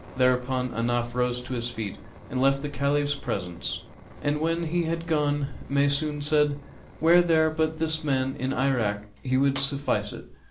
Thereupon Ahnaf rose to his feet and left the Caliph's presence, and when he had gone Maysun said, 'Were there but this man in Irak, he would suffice to it.'